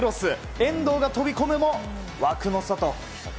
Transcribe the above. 遠藤が飛び込むも枠の外。